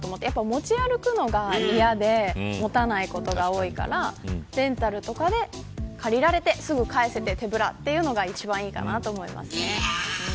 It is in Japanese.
持ち歩くのが嫌で持たないことが多いからレンタルとかで借りられてすぐ返せて手ぶら、というのが一番いいかなと思います。